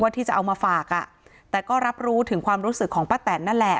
ที่จะเอามาฝากอ่ะแต่ก็รับรู้ถึงความรู้สึกของป้าแตนนั่นแหละ